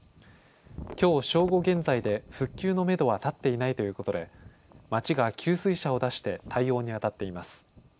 きょう正午現在で復旧のめどは立っていないということで町が給水車を出して対応にあたっています。